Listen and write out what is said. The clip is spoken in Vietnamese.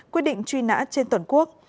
quy định truy nã trên toàn quốc